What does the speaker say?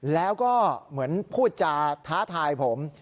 แล้วก็เหมือนพูดจาท้าทายผม